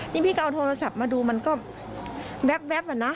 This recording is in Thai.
นี่พี่ก็เอาโทรศัพท์มาดูมันก็แว๊บอะนะ